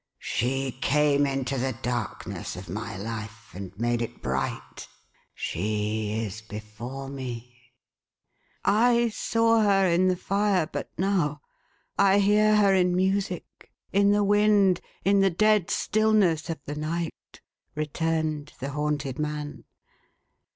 She came into the darkness of my life, and made it bright. — She is before me !"" I saw her, in the fire, but now. I hear her in music, in the wind, in the dead stillness of the night,"11 returned the haunted man.